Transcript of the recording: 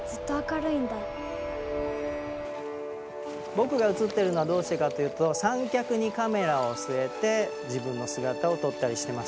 僕が写ってるのはどうしてかっていうと三脚にカメラを据えて自分の姿を撮ったりしてます。